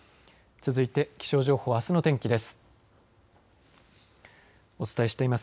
続いて気象情報あすの天気です。